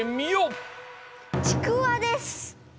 ちくわです！